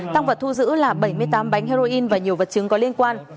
tăng vật thu giữ là bảy mươi tám bánh heroin và nhiều vật chứng có liên quan